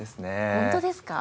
本当ですか？